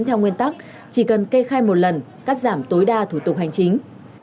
theo nguyên tắc chỉ cần kê khai một lần cắt giảm tối đa thủ tục hành chính